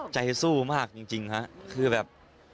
ใจสู้มากจริงฮะคือแบบ